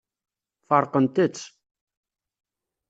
Feṛqent-tt.